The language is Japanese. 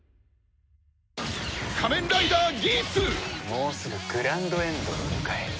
もうすぐグランドエンドを迎える。